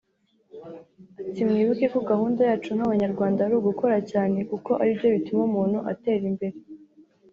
Ati “Mwibuke ko gahunda yacu nk’Abanyarwanda ari ugukora cyane kuko ari byo bituma umuntu atera imbere”